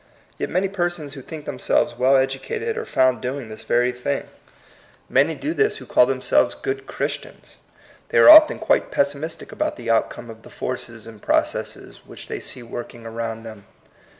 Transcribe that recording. Yet many persons who think themselves well educated are found doing this very thing. Many do 62 THE COMING PEOPLE. this who call themselves good Christians. They are often quite pessimistic about the outcome of the forces and processes which they see working around them.